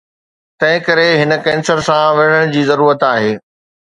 تنهنڪري هن ڪينسر سان وڙهڻ جي ضرورت آهي